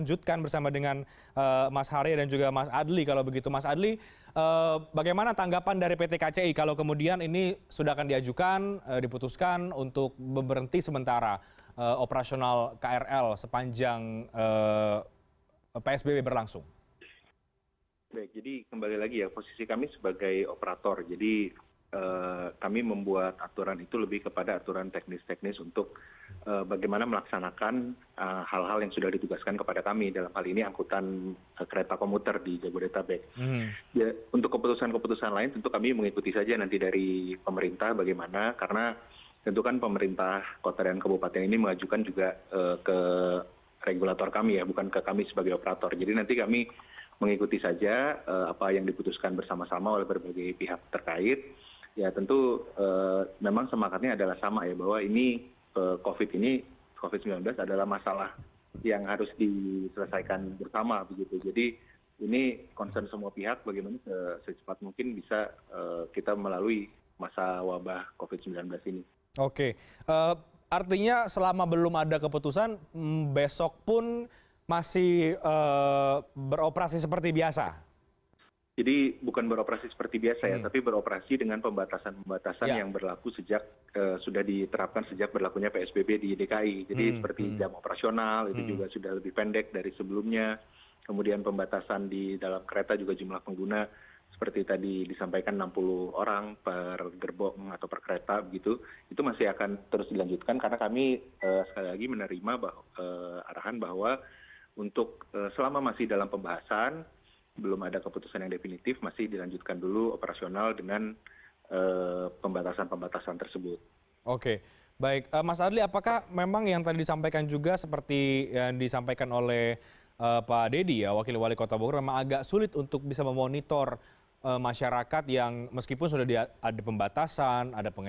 jadi bagi kalau yang pertama ya dari sisi kami ini memang sebuah tantangan untuk mengelola transportasi publik yang melintasi tiga provinsi seperti komuter lain ini dan itu menjadi sebuah satu kesatuan